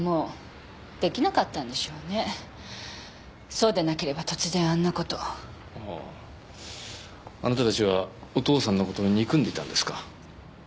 そうでなければ突然あんなことあぁあなたたちはお父さんのことを憎んでいたんですか？